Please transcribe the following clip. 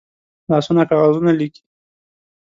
لاسونه کاغذونه لیکي